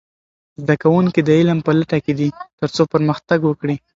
زده کوونکي د علم په لټه کې دي ترڅو پرمختګ وکړي.